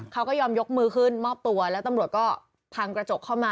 เขาก็ยอมยกมือขึ้นมอบตัวแล้วตำรวจก็พังกระจกเข้ามา